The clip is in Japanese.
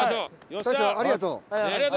大昇ありがとう。